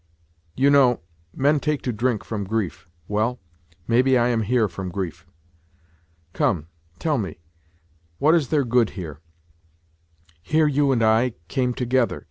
You know, men take to drink from grief; well, maybe I am here from grief. Come, tell me, what is there good here ? Here you and I ... came together